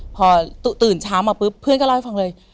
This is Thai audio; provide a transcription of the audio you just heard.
พอตื่นเช้ามาปุ๊บเพื่อนก็เล่าให้ฟังเลย